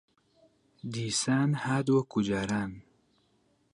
دیسان هات وەکوو جاران